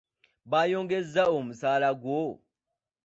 Bayongezza omusaala gwo?